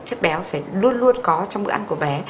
chất béo phải luôn luôn có trong bữa ăn của bé